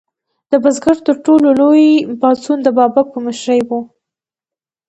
د بزګرانو تر ټولو لوی پاڅون د بابک په مشرۍ و.